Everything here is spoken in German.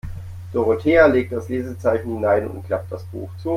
Dorothea legte das Lesezeichen hinein und klappte das Buch zu.